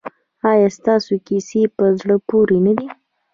ایا ستاسو کیسې په زړه پورې نه دي؟